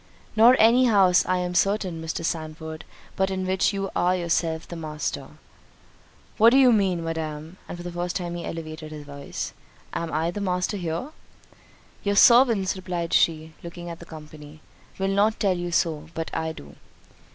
"Nor any house, I am certain, Mr. Sandford, but in which you are yourself the master." "What do you mean, Madam? (and for the first time he elevated his voice,) am I the master here?" "Your servants," replied she, looking at the company, "will not tell you so; but I do."